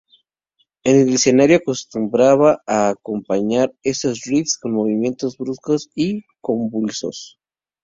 En el escenario acostumbra a acompañar esos riffs con movimientos bruscos y convulsos.